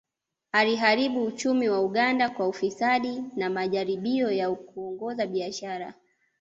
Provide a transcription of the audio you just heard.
Aliharibu uchumi wa Uganda kwa ufisadi na majaribio ya kuongoza biashara